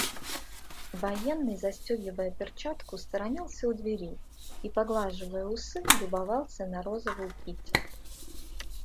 Военный, застегивая перчатку, сторонился у двери и, поглаживая усы, любовался на розовую Кити.